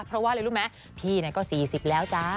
เพราะว่าอะไรรู้ไหมพี่ก็๔๐แล้วจ้า